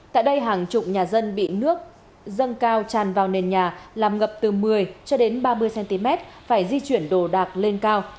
tại đây hàng trụng nhà dân bị nước dân cao tràn vào nền nhà làm ngập từ một mươi ba mươi cm phải di chuyển đồ đạc lên cao